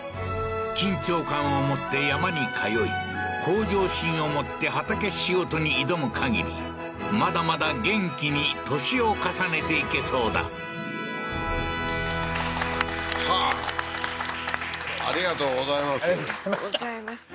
緊張感を持って山に通い向上心を持って畑仕事に挑むかぎりまだまだ元気に年を重ねていけそうだはあーありがとうございますありがとうございました